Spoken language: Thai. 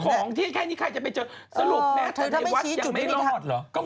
ของที่แค่นี่ใครจะไปเจอ